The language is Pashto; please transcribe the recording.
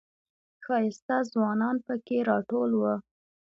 ښایسته ځوانان پکې راټول و.